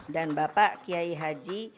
dan bapak kiai haji